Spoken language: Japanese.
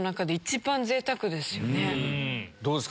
どうですか？